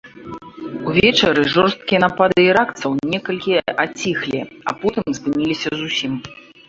Увечары жорсткія напады іракцаў некалькі аціхлі, а потым спыніліся зусім.